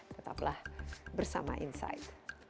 tetaplah bersama insight